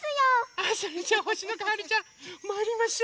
あそれじゃあほしのこはるちゃんまいりましょう。